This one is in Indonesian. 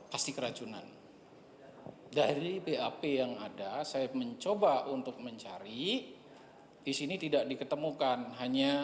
pasti keracunan dari bap yang ada saya mencoba untuk mencari disini tidak diketemukan hanya